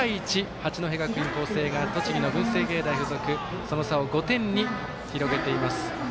八戸学院光星が栃木の文星芸大付属その差を５点に広げています。